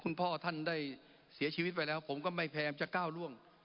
พ่อท่านได้เสียชีวิตไปแล้วผมก็ไม่พยายามจะก้าวร่วง